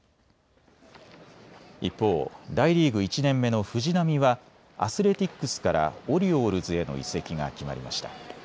一方、大リーグ１年目の藤浪はアスレティックスからオリオールズへの移籍が決まりました。